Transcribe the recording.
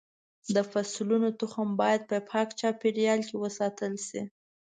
د فصلونو تخم باید په پاک چاپېریال کې وساتل شي.